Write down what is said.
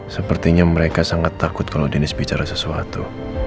sepertinya mereka sangat takut kalau denice bicara sesuatu